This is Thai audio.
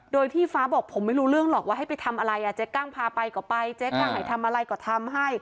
โดยที่ฟ้าบอกผมไม่รู้เรื่องหรอกว่าให้ไปทำอะไรอ่ะเจ๊กั้งพาไปก็ไปเจ๊กั้งให้ทำอะไรก็ทำให้